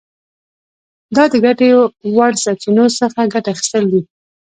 دا د ګټې وړ سرچینو څخه ګټه اخیستل دي.